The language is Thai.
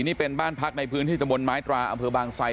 นี่เป็นบ้านพักในพื้นที่ตะบนไม้ตราอำเภอบางไซ